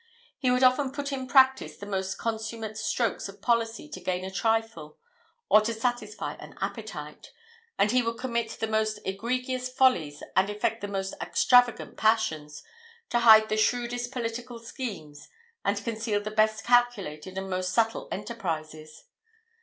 He would often put in practice the most consummate strokes of policy to gain a trifle, or to satisfy an appetite; and he would commit the most egregious follies and affect the most extravagant passions, to hide the shrewdest political schemes and conceal the best calculated and most subtle enterprises.